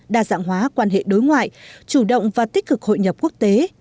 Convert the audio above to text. đa dạng hóa quan hệ đối ngoại chủ động và tích cực hội nhập quốc tế